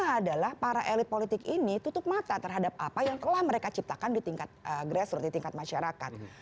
yang pertama adalah para elit politik ini tutup mata terhadap apa yang telah mereka ciptakan di tingkat grassroot di tingkat masyarakat